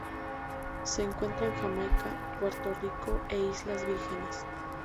Se encuentra en Jamaica, Puerto Rico, e Islas Vírgenes.